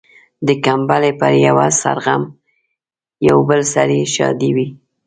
د کمبلي پر يوه سر غم ، پر بل سر يې ښادي وي.